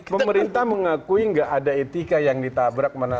pemerintah mengakui gak ada etika yang ditabrak